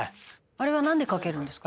「あれはなんでかけるんですか？」